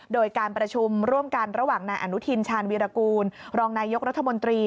โดยการประชุมร่วมกันระหว่างนายอนุทินชาญวีรกูลรองนายกรัฐมนตรี